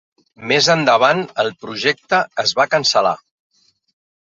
Més endavant, el projecte es va cancel·lar.